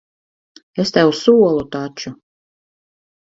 Es tev solu taču.